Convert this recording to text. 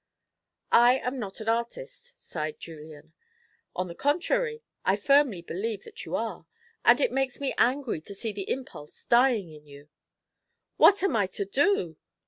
"I am not an artist," sighed Julian. "On the contrary, I firmly believe that you are. And it makes me angry to see the impulse dying in you." "What am I to do?"